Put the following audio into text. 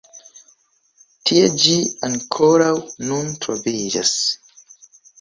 Tie ĝi ankoraŭ nun troviĝas.